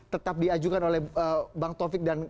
tetap diajukan oleh bang taufik dan